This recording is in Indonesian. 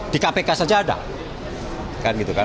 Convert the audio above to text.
di kpk saja ada